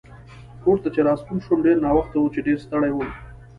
کور ته چې راستون شوم ډېر ناوخته و چې ډېر ستړی وم.